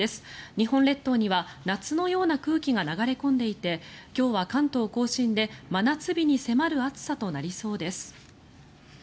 日本列島には夏のような空気が流れ込んでいて今日は関東・甲信で真夏日に迫る暑さとなりそうです。